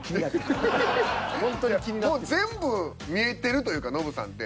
いやもう全部見えてるというかノブさんって。